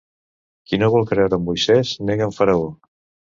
Qui no vol creure amb Moisès, nega amb Faraó.